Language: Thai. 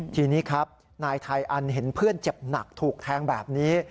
ทีนี้ครับนายไทยอันเห็นเพื่อนเจ็บหนักถูกแทงแบบนี้